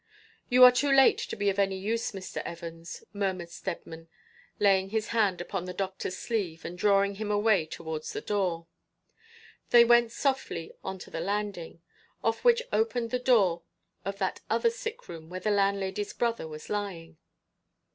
'You are too late to be of any use, Mr. Evans,' murmured Steadman, laying his hand upon the doctor's sleeve and drawing him away towards the door. They went softly on to the landing, off which opened the door of that other sick room where the landlady's brother was lying.